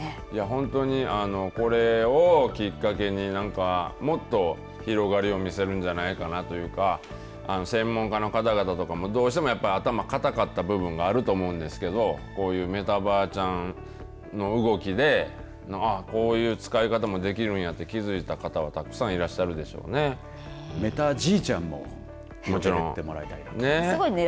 本当に、これをきっかけにもっと広がりを見せるんじゃないかな、というか専門家のかたがたとかもどうしても頭かたかった部分があると思うんですけどメタばあちゃんの動きでこういう使い方もできるんやって気づいた方たくさんメタじいちゃんも作ってもらいたいなと。